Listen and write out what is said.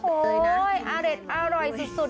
โอ้โฮอร่อยสุด